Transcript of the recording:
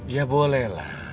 ya boleh lah